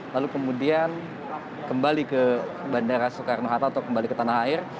lalu kemudian kembali ke bandara soekarno hatta atau kembali ke tanah air